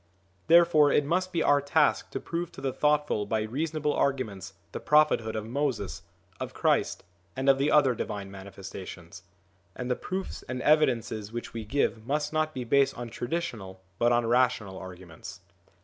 Therefore it must be our task to prove to the thoughtful by reasonable arguments the prophethood of Moses, of Christ, and of the other Divine Manifesta tions. And the proofs and evidences which we give must not be based on traditional but on rational arguments.